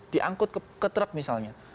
diangkut ke trap misalnya